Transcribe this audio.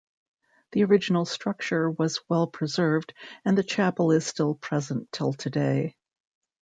The original structure was well preserved and the chapel is still present till today.